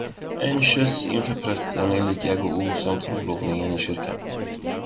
En kyss inför prästen är lika god som trolovning i kyrkan.